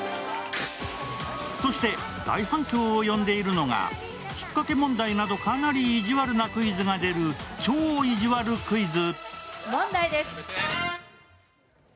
そして、大反響を呼んでいるのがひっかけ問題など、かなり意地悪なクイズが出る「超いじわるクイズ」。